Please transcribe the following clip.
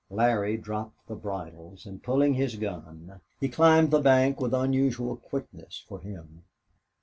Larry dropped the bridles and, pulling his gun, he climbed the bank with unusual quickness for him.